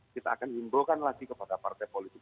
kita akan imbaukan lagi kepada partai politik